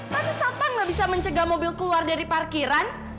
masa sapa gak bisa mencegah mobil keluar dari parkiran